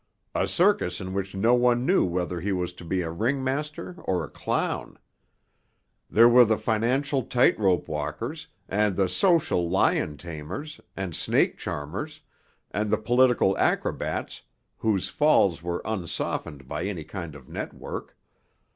"A circus in which no one knew whether he was to be a ringmaster or a clown. There were the financial tight rope walkers, and the social lion tamers, and snake charmers, and the political acrobats whose falls were unsoftened by any kind of network.